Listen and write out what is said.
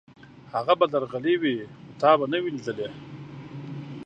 هغه به درغلی وي، خو تا به نه وي لېدلی.